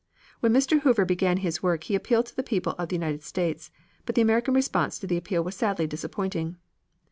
When Mr. Hoover began his work he appealed to the people of the United States, but the American response to the appeal was sadly disappointing.